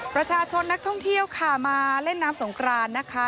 ประชาชนนักท่องเที่ยวค่ะมาเล่นน้ำสงครานนะคะ